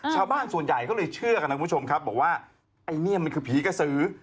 ชาวบ้านส่วนใหญ่เขาเลยเชื่อกันนะคุณผู้ชมครับบอกว่าไอ้เนี่ยมันคือผีกระสือ